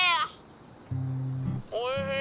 おいしい！